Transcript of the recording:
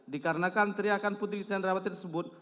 dikarenakan teriakan putri candrawati tersebut